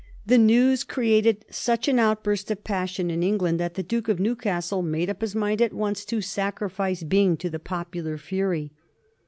The news created such an outburst of passion in England that the Duke of Newcastle made up his mind at once to sacrifice Byng to the popular fury.